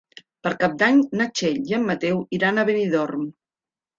Per Cap d'Any na Txell i en Mateu iran a Benidorm.